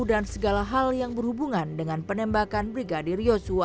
dan segala hal yang berhubungan dengan penembakan brigadi ryosuwa